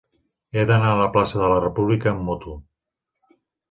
He d'anar a la plaça de la República amb moto.